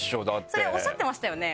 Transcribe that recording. それおっしゃってましたよね